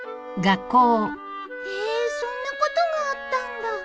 へえそんなことがあったんだ。